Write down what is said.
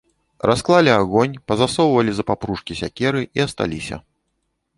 Расклалі агонь, пазасоўвалі за папружкі сякеры і асталіся.